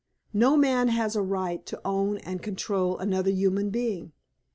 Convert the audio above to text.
No man has a right to own and control another human being.